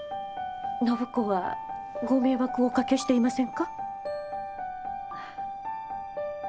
暢子はご迷惑をおかけしていませんか？